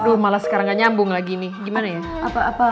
aduh malah sekarang gak nyambung lagi ini gimana ya